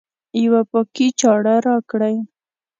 یوه پاکي چاړه راکړئ